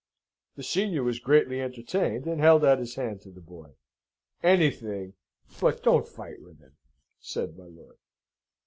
The senior was greatly entertained, and held out his hand to the boy. "Anything, but don't fight with him," said my lord.